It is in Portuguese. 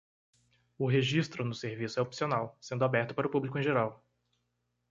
O registro no serviço é opcional, sendo aberto para o público em geral.